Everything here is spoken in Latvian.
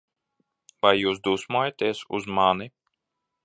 Vai jūs dusmojaties uz mani?